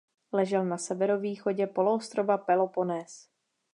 Ležel na severovýchodě poloostrova Peloponés.